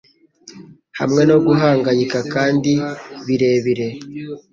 Hamwe no guhangayika kandi birebire